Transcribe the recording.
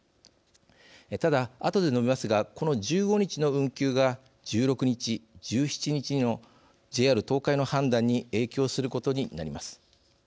ただ、あとで述べますがこの１５日の運休が１６日、１７日のＪＲ東海の判断に影響することになります。